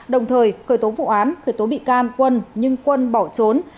đồng thời khởi tố vụ án khởi tố bị can quân nhưng quân bỏ trốn